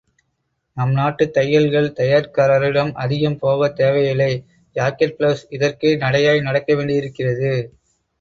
நம் நாட்டுத் தையல்கள் தையல்காரரிடம் அதிகம் போகத் தேவையில்லை ஜாக்கெட் பிளௌஸ் இதற்கே நடையாய் நடக்கவேண்டியிருக்கிறது.